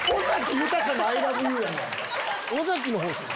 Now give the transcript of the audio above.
尾崎の方っすか？